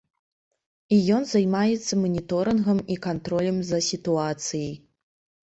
І ён займаецца маніторынгам і кантролем за сітуацыяй.